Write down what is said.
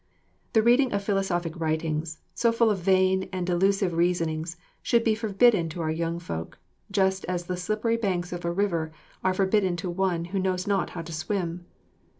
The reading of philosophic writings, so full of vain and delusive reasonings, should be forbidden to our young folk, just as the slippery banks of a river are forbidden to one who knows not how to swim.